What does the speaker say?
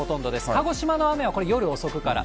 鹿児島の雨はこれ、夜遅くから。